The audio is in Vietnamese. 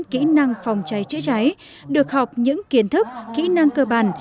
kỹ năng phòng cháy chữa cháy được học những kiến thức kỹ năng cơ bản